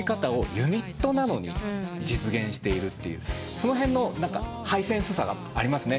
その辺のハイセンスさがありますね。